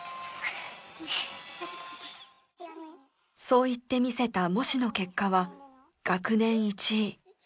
そう言って見せた模試の結果は学年１位。